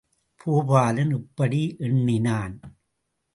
பூபாலன் இப்படி எண்ணினான்.